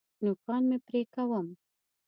نوکان مي پرې کوم .